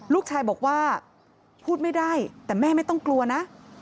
ลูกชายบอกว่าพูดไม่ได้แต่แม่ไม่ต้องกลัวนะ